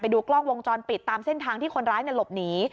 ดูกล้องวงจรปิดตามเส้นทางที่คนร้ายหลบหนี